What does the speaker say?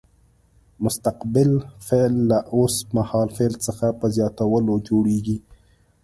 مستقبل فعل له اوس مهال فعل څخه په زیاتولو جوړیږي.